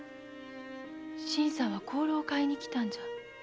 新さんは香炉を買いに来たんじゃ？